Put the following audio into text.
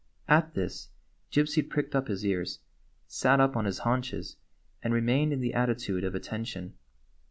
At this Gypsy pricked up his ears, sat up on his haunches, and remained in the attitude of "attention."